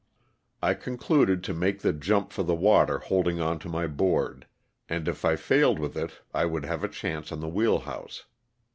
I concluded to make the jump for the water holding onto my board, and if I failed with it I would have a chance on the wheel house.